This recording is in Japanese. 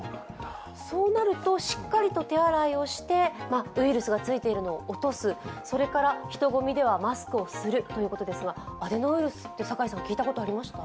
そうなると、しっかりと手洗いをしてウイルスがついているのを落とすそれから人混みではマスクをするということですがアデノウイルスって酒井さん聞いたことありました？